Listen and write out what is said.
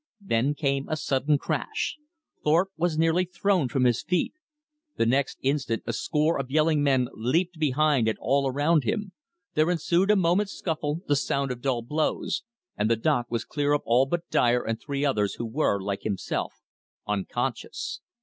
Then came a sudden crash. Thorpe was nearly thrown from his feet. The next instant a score of yelling men leaped behind and all around him. There ensued a moment's scuffle, the sound of dull blows; and the dock was clear of all but Dyer and three others who were, like himself, unconscious.